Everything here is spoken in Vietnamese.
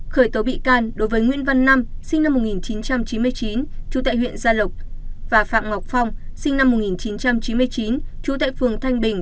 khởi tố bị can đối với nguyễn văn năm sinh năm một nghìn chín trăm chín mươi chín trú tại huyện gia lộc và phạm ngọc phong sinh năm một nghìn chín trăm chín mươi chín trú tại phường thanh bình